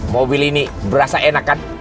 mobil ini berasa enak kan